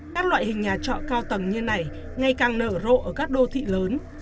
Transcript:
các loại hình nhà trọ cao tầng như này ngày càng nở rộ ở các đô thị lớn